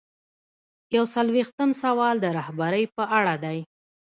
یو څلویښتم سوال د رهبرۍ په اړه دی.